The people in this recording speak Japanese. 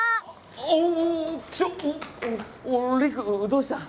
おおちょっおお陸どうした？